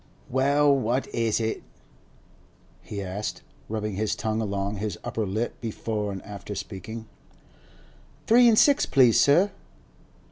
'Well, what is it?' he asked, rubbing his tongue along his upper lip before and after speaking. 'Three an' six, please, sir.